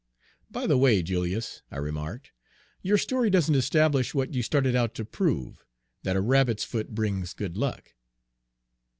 "By the way, Julius," I remarked, "your story doesn't establish what you started out to prove, that a rabbit's foot brings good luck."